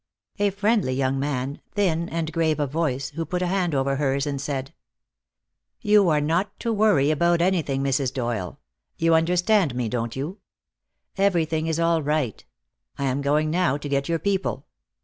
A friendly young man, thin, and grave of voice, who put a hand over hers and said: "You are not to worry about anything, Mrs. Doyle. You understand me, don't you? Everything is all right. I am going now to get your people."